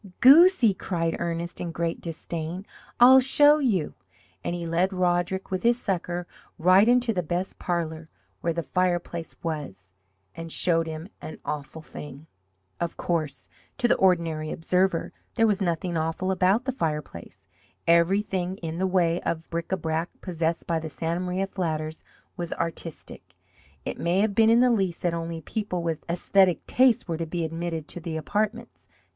"Goosey!" cried Ernest, in great disdain. "I'll show you!" and he led Roderick, with his sucker, right into the best parlour, where the fireplace was, and showed him an awful thing. Of course, to the ordinary observer, there was nothing awful about the fireplace. Everything in the way of bric a brac possessed by the Santa Maria flatters was artistic. It may have been in the Lease that only people with esthetic tastes were to be admitted to the apartments.